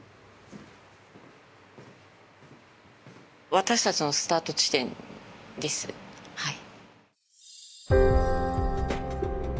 私たちのスタート地点ですはい